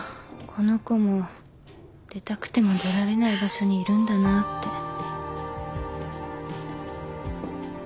この子も出たくても出られない場所にいるんだなって。